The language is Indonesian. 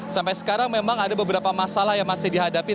sampai sekarang memang ada beberapa masalah yang masih dihadapi